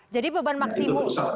jadi beban maksimum